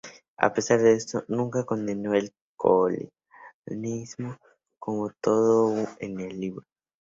A pesar de esto, nunca condenó el colonialismo como un todo en el libro.